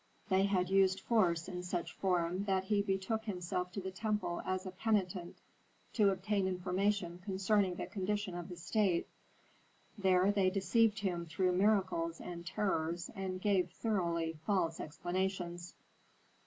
They had used force in such form that he betook himself to the temple as a penitent to obtain information concerning the condition of the state; there they deceived him through miracles and terrors, and gave thoroughly false explanations.